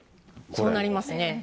そうなりますね。